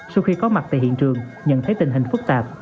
sau khi có mặt tại hiện trường nhận thấy tình hình phức tạp